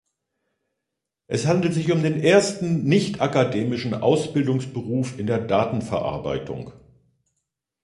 Es handelt sich um den ersten nicht-akademischen Ausbildungsberuf in der Datenverarbeitung.